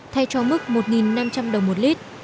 thay cho mức một năm trăm linh đồng một lít